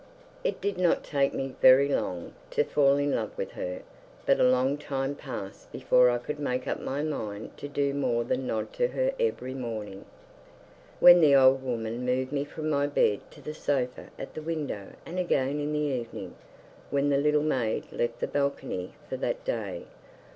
It did not take me very long to fall in love with her, but a long time passed before I could make up my mind to do more than nod to her every morning, when the old woman moved me from my bed to the sofa at the window, and again in the evening, when the little maid left the balcony for that day.